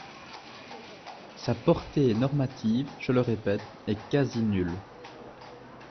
Sa portée normative, je le répète, est quasi nulle.